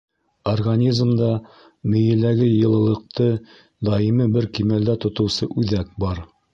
Организмда мейеләге йылылыҡты даими бер кимәлдә тотоусы үҙәк бар.